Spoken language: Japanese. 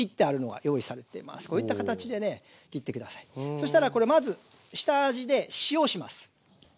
そしたらこれまず下味で塩をします。